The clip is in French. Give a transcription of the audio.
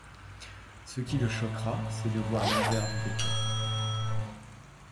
Ce qui le choquera, c’est de voir l’envers du décor.